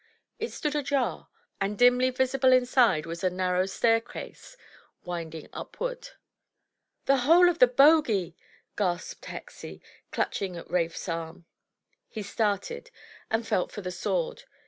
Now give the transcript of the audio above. It stood ajar, and dimly visible inside was a narrow staircase wind ing upward. "The hole of the Bogie!" gasped Hexie, clutching at Rafe's arm. He started, and felt for the sword.